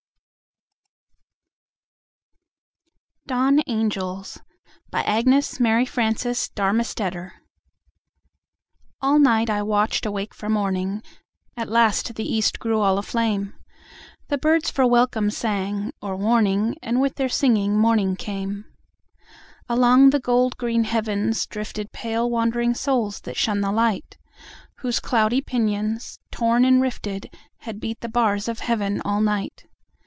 gnes Mary Frances Darmesteter b. 1857 Dawn Angels ALL night I watched awake for morning, At last the East grew all aflame, The birds for welcome sang, or warning, And with their singing morning came. Along the gold green heavens driftedPale wandering souls that shun the light, Whose cloudy pinions, torn and rifted, Had beat the bars of Heaven all night.